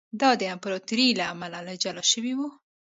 دا د امپراتورۍ له امله له جلا شوی و